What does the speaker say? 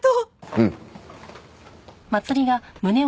うん。